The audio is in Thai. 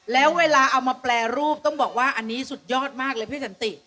แล้วเวลาเอามาแปรรูปต้องบอกว่าอันนี้สุดยอดมากเลยพี่สันติ